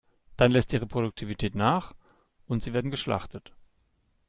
Dann lässt ihre Produktivität nach und sie werden geschlachtet.